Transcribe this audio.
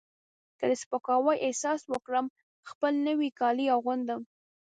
که د سپکاوي احساس وکړم خپل نوي کالي اغوندم.